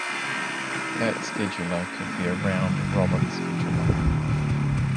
That scheduler could be a Round-robin scheduler.